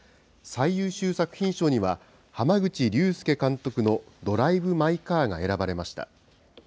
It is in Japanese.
最優秀作品賞には、濱口竜介監督のドライブ・マイ・カーが選ばれました。